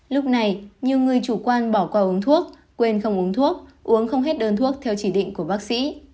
lúc này nhiều người chủ quan bỏ qua uống thuốc quên không uống thuốc uống không hết đơn thuốc theo chỉ định của bác sĩ